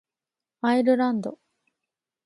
アイルランド